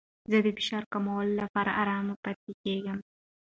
زه د فشار کمولو لپاره ارام پاتې کیږم.